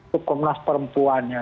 hukum nas perempuannya